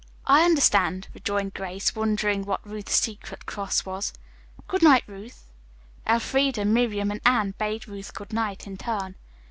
"I understand," rejoined Grace, wondering what Ruth's secret cross was. "Good night, Ruth." Elfreda, Miriam and Anne bade Ruth goodnight in turn.